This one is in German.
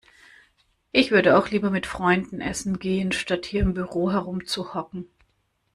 Ich würde auch lieber mit Freunden Essen gehen, statt hier im Büro herumzuhocken.